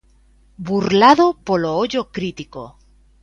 Burlado polo ollo crítico.